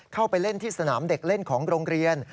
เข้าไปเล่นที่สนามเด็กเล่นของโรงเรียน